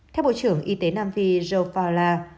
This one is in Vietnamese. theo bộ trưởng y tế nam phi joe fowler